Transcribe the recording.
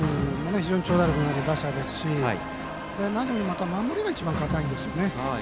非常に長打力のある打者ですし何より守りが堅いんですよね。